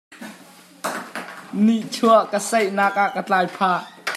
Nihchuak a saihnak ah a tlai phah.